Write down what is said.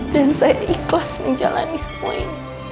dan saya ikhlas menjalani semua ini